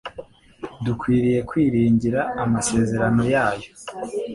Dukwiriye kwiringira amasezerano yayo.